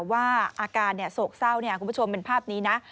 ว่าอาการโศกเศร้าคุณผู้ชมเป็นภาพนี้นะ